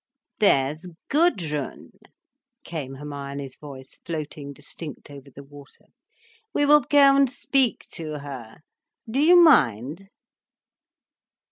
"There's Gudrun," came Hermione's voice floating distinct over the water. "We will go and speak to her. Do you mind?"